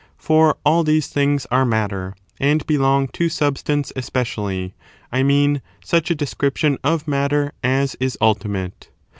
For all these things are matter, and belong to substance especially — I mean, such a description of matter as is ultimate.